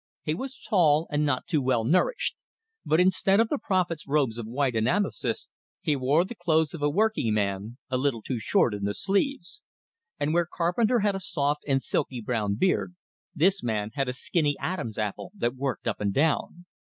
He was tall and not too well nourished; but instead of the prophet's robes of white and amethyst, he wore the clothes of a working man, a little too short in the sleeves; and where Carpenter had a soft and silky brown beard, this man had a skinny Adam's apple that worked up and down.